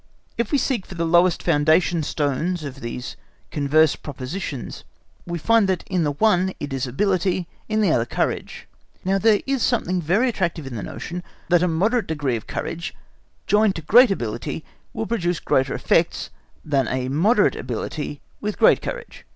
If we seek for the lowest foundation stones of these converse propositions we find that in the one it is ability, in the other, courage. Now, there is something very attractive in the notion that a moderate degree of courage joined to great ability will produce greater effects than moderate ability with great courage.